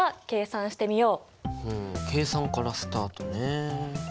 ふん計算からスタートね。